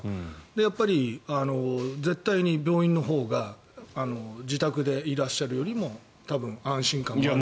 やっぱり絶対に病院にいるほうが自宅にいるよりも多分、安心感がある。